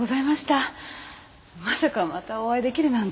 まさかまたお会い出来るなんて。